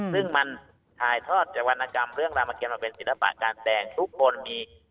ซึ่งมันถ่ายทอดจากวรรณกรรมเรื่องรามเกียรมาเป็นศิลปะการแสดงทุกคนมี